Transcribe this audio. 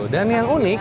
dan yang unik